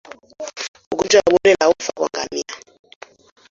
Ugonjwa wa bonde la ufa kwa ngamia